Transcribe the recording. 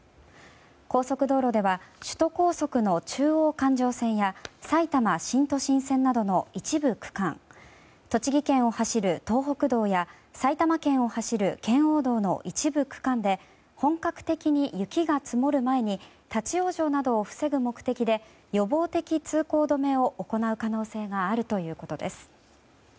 高速道路では首都高速の中央環状線や埼玉新都心線などの一部区間栃木県を走る東北道や埼玉県を走る圏央道の一部区間で本格的に雪が積もる前に立ち往生などを防ぐ目的で予防的通行止めを行う可能性があるということです。